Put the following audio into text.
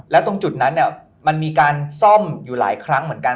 แล้วตรงจุดนั้นมันมีการซ่อมอยู่หลายครั้งเหมือนกัน